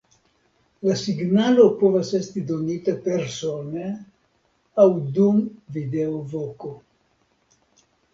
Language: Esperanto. La signalo povas esti donita persone aŭ dum videovoko.